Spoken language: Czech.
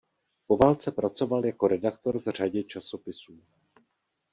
Po válce pracoval jako redaktor v řadě časopisů.